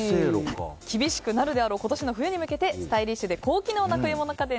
厳しくなるであろう今年の冬に向けてスタイリッシュで高機能な冬物家電